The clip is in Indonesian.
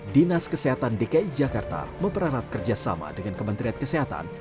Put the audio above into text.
dinas kesehatan dki jakarta memperanat kerjasama dengan kementerian kesehatan